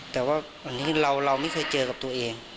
แต่ว่าเราไม่เคยเจอกับตัวเอง